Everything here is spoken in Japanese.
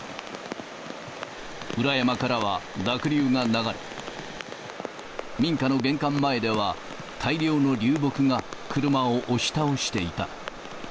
裏山からは濁流が流れ、民家の玄関前では、大量の流木が車を押し倒していた。